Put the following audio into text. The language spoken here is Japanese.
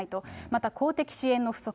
また、公的支援の不足。